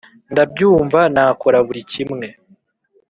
ndabyumva nakora buri kimwe